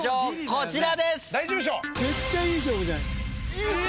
こちらです。